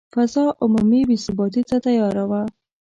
فضا عمومي بې ثباتي ته تیاره وه.